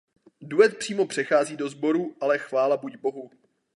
Duet přímo přechází do sboru "Ale chvála buď Bohu".